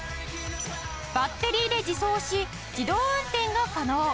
バッテリーで自走し自動運転が可能